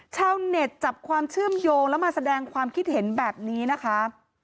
ชาวเน็ตจับความเชื่อมโยงแล้วมาแสดงความคิดเห็นแบบนี้นะคะ